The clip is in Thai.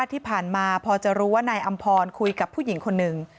ที่ผ่านมาพอจะรู้ว่านายอำพรคุยกับผู้หญิงคนหนึ่ง